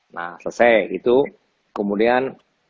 nah selesai itu kemudian